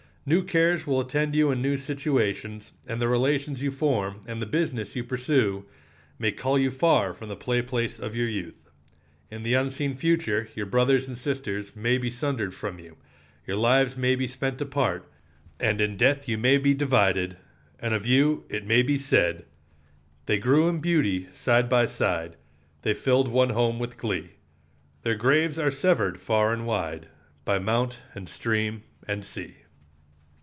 New cares will attend you in new situations, and the relations you form and the business you pursue may call you far from the "play place" of your youth. In the unseen future your brothers and sisters may be sundered from you, your lives may be spent apart, and in death you may be divided; and of you it may be said: "They grew in beauty side by side, They filled one home with glee; Their graves are severed far and wide, By mount and stream and sea."